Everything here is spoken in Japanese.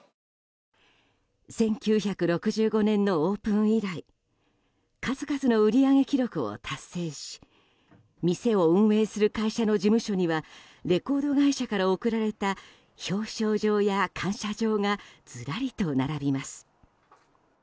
１９６５年のオープン以来数々の売り上げ記録を達成し店を運営する会社の事務所にはレコード会社から贈られた表彰状や感謝状がずらりと並びます。